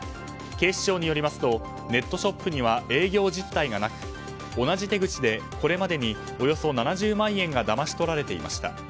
警視庁によりますとネットショップには営業実態がなく、同じ手口でこれまでにおよそ７０万円がだまし取られていました。